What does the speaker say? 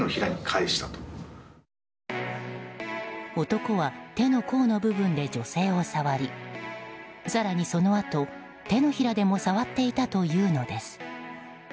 男は手の甲の部分で女性を触り更に、そのあと、手のひらでも触っていたというのです。